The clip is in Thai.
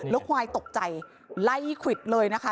แล้วควายตกใจไล่ควิดเลยนะคะ